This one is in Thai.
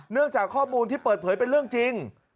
จากข้อมูลที่เปิดเผยเป็นเรื่องจริง